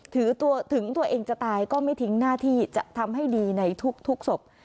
ถึงตัวเองจะตายก็ไม่ทิ้งหน้าที่จะทำให้ดีในทุกศพ